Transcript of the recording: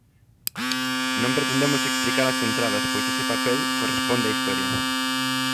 Non pretendemos explicar as entradas pois ese papel corresponde á historia.